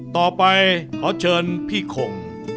ต่อไปขอเชิญพี่ข่ง